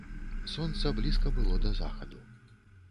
Сонца блізка было да захаду.